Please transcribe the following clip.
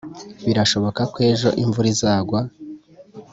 birashoboka ko ejo imvura izagwa?